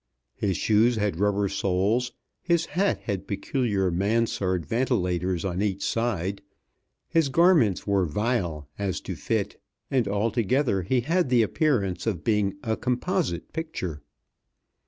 His shoes had rubber soles, his hat had peculiar mansard ventilators on each side, his garments were vile as to fit, and altogether he had the appearance of being a composite picture.